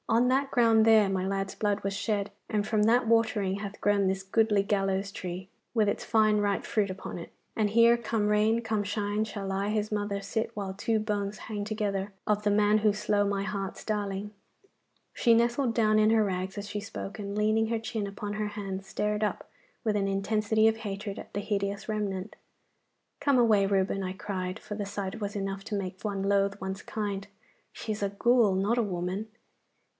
On that ground there my lad's blood was shed, and from that watering hath grown this goodly gallows tree with its fine ripe fruit upon it. And here, come rain, come shine, shall I, his mother, sit while two bones hang together of the man who slow my heart's darling.' She nestled down in her rags as she spoke, and leaning her chin upon her hands stared up with an intensity of hatred at the hideous remnant. 'Come away, Reuben,' I cried, for the sight was enough to make one loathe one's kind. 'She is a ghoul, not a woman.